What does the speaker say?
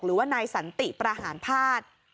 หรือว่านายสันติประหารภาษณ์